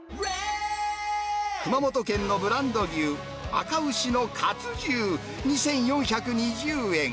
熊本県のブランド牛、あか牛のかつ重２４２０円。